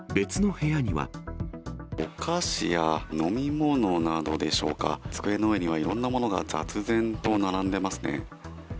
お菓子や飲み物などでしょうか、机の上にはいろんな物が雑然と並んでますね。